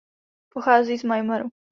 Pochází z Myanmaru.